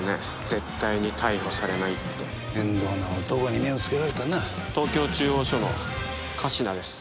絶対に逮捕されないって面倒な男に目をつけられたな東京中央署の神志名です